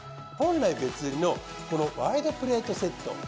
本来別売りのこのワイドプレートセット。